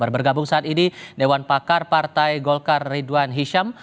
bergabung saat ini dewan pakar partai golkar ridwan hisyam